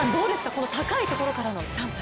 この高いところからのジャンプ。